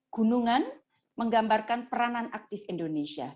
gunungan menggambarkan peranan aktif indonesia